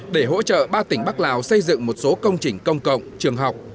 để hỗ trợ ba tỉnh bắc lào xây dựng một số công trình công cộng trường học